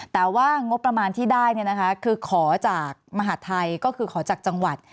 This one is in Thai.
แต่ว่างบประมาณที่ได้คือขอจากมหาดไทยก็คือขอจากจังหวัด